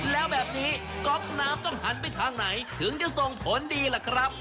แล้วแบบนี้ก๊อกน้ำต้องหันไปทางไหนถึงจะส่งผลดีล่ะครับ